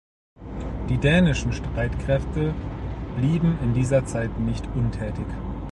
Die dänischen Streitkräfte blieben in dieser Zeit nicht untätig.